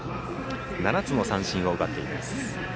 ７つの三振を奪っています。